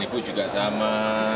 ibu juga sama